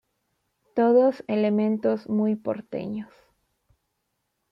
Todos elementos muy porteños.